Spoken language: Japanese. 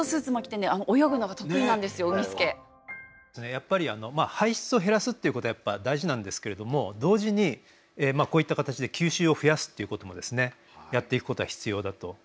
やっぱり排出を減らすっていうことは大事なんですけれども同時にこういった形で吸収を増やすっていうこともですねやっていくことが必要だと思います。